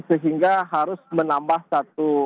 sehingga harus menambah satu